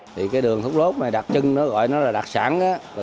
thì cái đường thốt lốt này đặc trưng nó gọi nó là đặc sản á